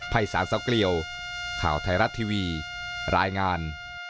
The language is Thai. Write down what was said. ภัยศาลสาวเกลียวข่าวไทยรัฐทีวีรายงาน